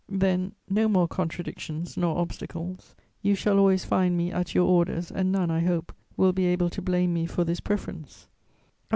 Then no more contradictions nor obstacles; you shall always find me at your orders, and none, I hope, will be able to blame me for this preference.